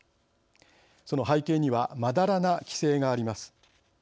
その背景にはまだらな規制があります。